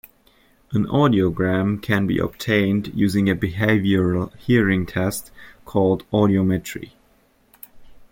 An audiogram can be obtained using a behavioural hearing test called Audiometry.